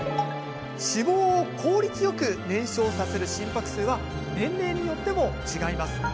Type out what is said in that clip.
脂肪を効率よく燃焼させる心拍数は年齢によっても違います。